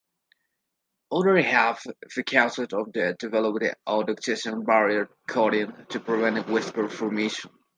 Others have focused on the development of oxygen-barrier coatings to prevent whisker formation.